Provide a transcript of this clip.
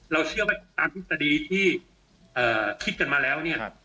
เราเชื่อว่าตามพิสดีที่เอ่อคิดกันมาแล้วเนี่ยครับ